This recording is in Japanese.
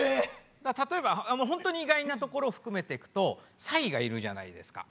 例えばほんとに意外なところを含めていくとサイがいるじゃないですか。